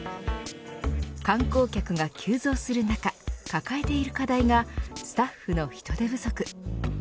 観光客が急増する中抱えている課題がスタッフの人手不足。